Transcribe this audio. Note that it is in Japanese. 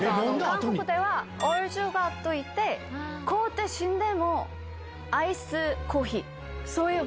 韓国ではオルジュガといって、凍って死んでもアイスコーヒー。